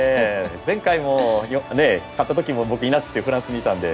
前回勝った時も僕いなくてフランスにいたので。